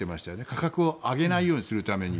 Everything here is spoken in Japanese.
価格を上げないようにするために。